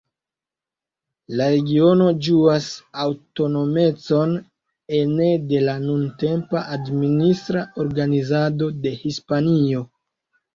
La regiono ĝuas aŭtonomecon ene de la nuntempa administra organizado de Hispanio.